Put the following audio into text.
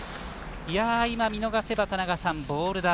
今、見逃せば田中さん、ボール球。